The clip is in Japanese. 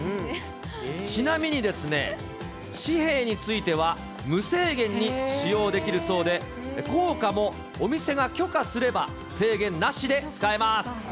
ちなみにですね、紙幣については、無制限に使用できるそうで、硬貨もお店が許可すれば、制限なしで使えます。